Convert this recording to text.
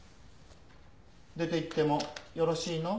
出ていってもよろしいの？